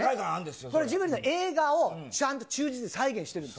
これ、ジブリの映画を忠実に再現してるんです。